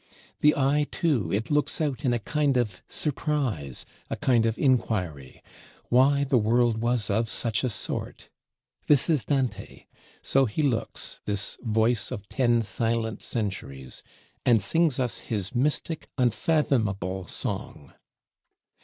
The eye, too, it looks out in a kind of surprise, a kind of inquiry Why the world was of such a sort? This is Dante: so he looks, this "voice of ten silent centuries," and sings us "his mystic unfathomable song."